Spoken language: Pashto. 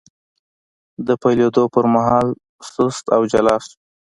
د پیلېدو پر مهال سست او جلا شو،